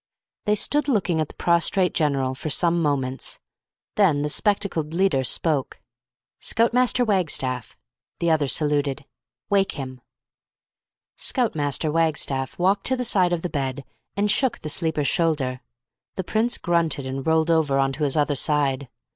They stood looking at the prostrate general for some moments. Then the spectacled leader spoke. "Scout Master Wagstaff." The other saluted. "Wake him!" Scout Master Wagstaff walked to the side of the bed, and shook the sleeper's shoulder. The Prince grunted, and rolled over on to his other side.